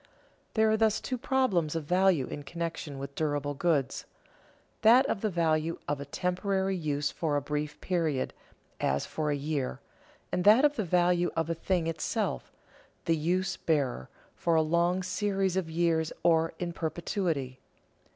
There are thus two problems of value in connection with durable goods: that of the value of a temporary use for a brief period, as for a year; and that of the value of a thing itself, the use bearer, for a long series of years or in perpetuity.